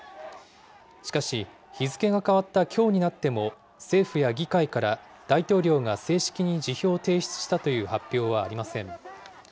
しかし、日付が変わったきょうになっても、政府や議会から大統領が正式に辞表を提出したという発表はありません。